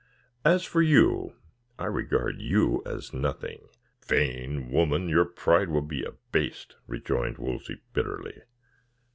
"As for you, I regard you as nothing." "Vain woman, your pride will be abased," rejoined Wolsey bitterly.